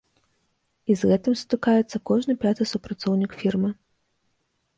І з гэтым сутыкаецца кожны пяты супрацоўнік фірмы.